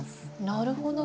なるほど。